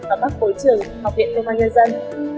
ở các bối trường học viện công an nhân dân